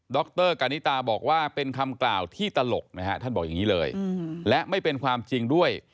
รกานิตาบอกว่าเป็นคำกล่าวที่ตลกนะฮะท่านบอกอย่างนี้เลยและไม่เป็นความจริงด้วย